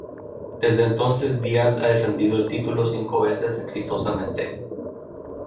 Desde entonces Díaz ha defendido el título cinco veces exitosamente.